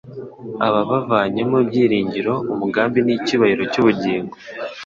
aba abavanyemo ibyiringiro, umugambi n'icyubahiro cy'ubugingo.